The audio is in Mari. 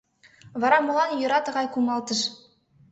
Вара молан йӧра тыгай кумалтыш?